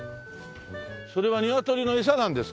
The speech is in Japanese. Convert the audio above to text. それはニワトリのエサなんですか？